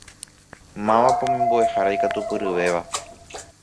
Mávapa umi mboʼehára ikatupyryvéva?